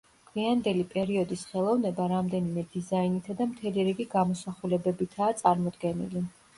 გვიანდელი პერიოდის ხელოვნება რამდენიმე დიზაინითა და მთელი რიგი გამოსახულებებითაა წარმოდგენილი.